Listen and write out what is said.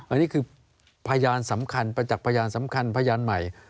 อันนี้คือพยานสำคัญประจักษ์พยานสำคัญพยานใหม่